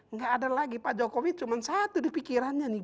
nggak ada lagi pak jokowi cuma satu di pikirannya nih